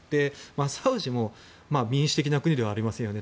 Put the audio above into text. サウジも民主的な国ではありませんよね。